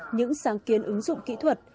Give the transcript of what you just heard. những sáng kiến ứng dụng kỹ thuật